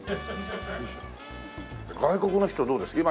外国の人どうですか？